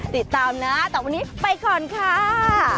ติดตามนะแต่วันนี้ไปก่อนค่ะ